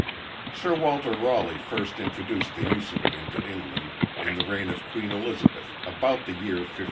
Sir Walter Raleigh first introduced the use of it into England, in the reign of Queen Elizabeth, about the year 1585.